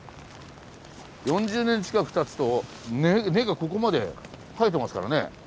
４０年近くたつと根がここまで生えてますからね。